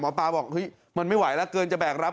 หมอปลาบอกมันไม่ไหวแล้วเกินจะแบกรับ